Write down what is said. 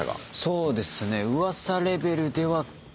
そうですね。